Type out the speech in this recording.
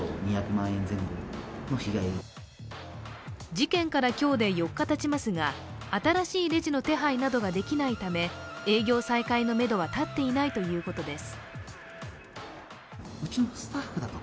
事件から今日で４日たちますが新しいレジの手配などができないため営業再開のめどは立っていないということです。